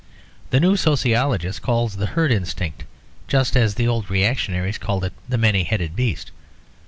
The new sociologists call it the herd instinct, just as the old reactionaries called it the many headed beast.